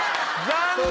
残念！